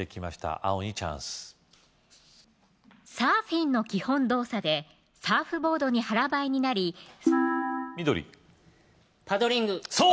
青にチャンスサーフィンの基本動作でサーフボードに腹ばいになり緑パドリングそう